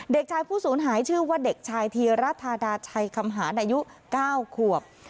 เด็กชายผู้สูญหายชื่อว่าเด็กชายธีรธาดาชัยคำหารอายุ๙ขวบ